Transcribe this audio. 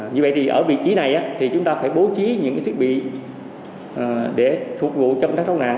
như vậy thì ở vị trí này thì chúng ta phải bố trí những cái thiết bị để phục vụ cho công tác cứu nạn